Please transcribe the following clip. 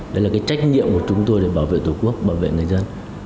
đấy là cái trách nhiệm của chúng tôi để bảo vệ tổ quốc bảo vệ người dân